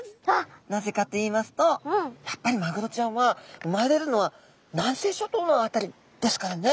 なぜかといいますとやっぱりマグロちゃんは生まれるのは南西諸島の辺りですからねちゃんとですね